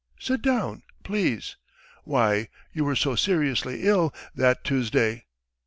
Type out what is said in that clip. .. Sit down please! Why, you were so seriously ill that Tuesday."